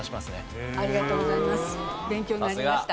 ありがとうございます。